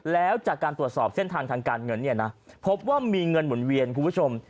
แล้วจากการตรวจสอบเส้นทางทางการเงินเนี่ยนะพบว่ามีเงินหมุนเวียนคุณผู้ชม